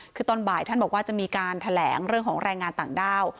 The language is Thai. คือตอนบ่ายท่านบอกว่าจะมีการแถลงเรื่องของแรงงานต่างด้าว